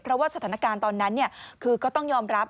เพราะว่าสถานการณ์ตอนนั้นคือก็ต้องยอมรับ